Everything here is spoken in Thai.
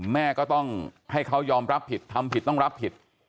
แม่ก็ต้องให้เขายอมรับผิดทำผิดต้องรับผิด